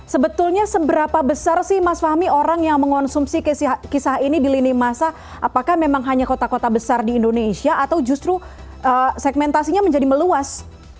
sebetulnya seberapa besar sih mas fahmi orang yang mengonsumsi kisah ini di lini masa apakah memang hanya kota kota besar di indonesia atau justru segmentasinya menjadi meluas